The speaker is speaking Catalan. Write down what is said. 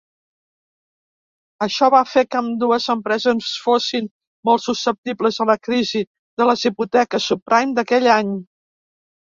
Això va fer que ambdues empreses fossin molt susceptibles a la crisi de les hipoteques subprime d"aquell any.